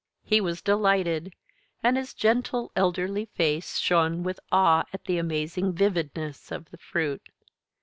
He was delighted and his gentle elderly face shone with awe at the amazing vividness of the fruit.